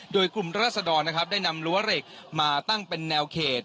โดยกลุ่มราศดรนะครับได้นำรั้วเหล็กมาตั้งเป็นแนวเขต